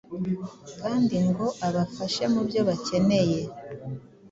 kandi ngo abafashe mu byo bakeneye